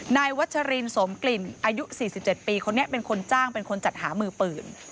นายวัชรินสมกลิ่นอายุ๔๗ปีคนนี้เป็นคนจ้างเป็นคนจัดหามือปืน